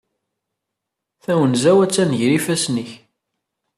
Tawenza-w attan gar ifassen-ik.